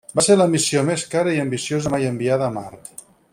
Va ser la missió més cara i ambiciosa mai enviada a Mart.